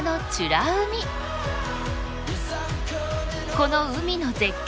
この海の絶景